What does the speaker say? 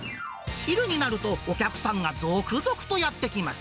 昼になると、お客さんが続々とやって来ます。